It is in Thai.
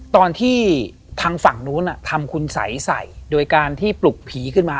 ตอนที่ทางฝั่งนู้นทำคุณสัยใส่โดยการที่ปลุกผีขึ้นมา